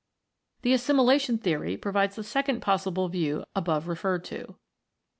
The assimilation theory provides the second possible view above referred to.